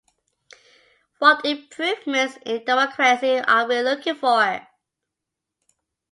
What improvements in democracy are we looking for?